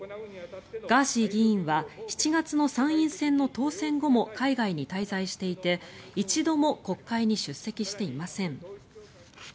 ガーシー議員は７月の参院選の当選後も海外に滞在していて一度も国会に出席していません。